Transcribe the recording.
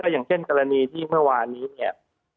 อย่างเช่นกรณีที่เมื่อวานนี้เนี่ย